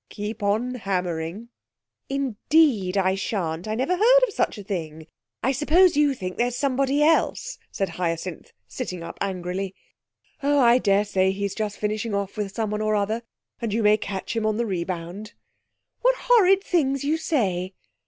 'Keep on hammering.' 'Indeed I shan't! I never heard of such a thing. I suppose you think there's somebody else?' said Hyacinth, sitting up angrily. 'Oh, I daresay he's just finishing off with someone or other, and you may catch him on the rebound.' 'What horrid things you say!'